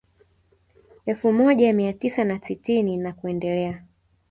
Elfu moja mia tisa na sitini na kuendelea